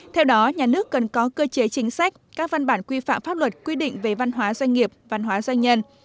theo đó nhà nước cần có cơ chế chính sách các văn bản quy phạm pháp luật quy định về văn hóa doanh nghiệp văn hóa doanh nhân